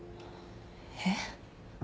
えっ？